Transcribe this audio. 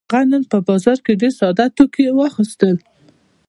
هغه نن په بازار کې ډېر ساده توکي واخيستل.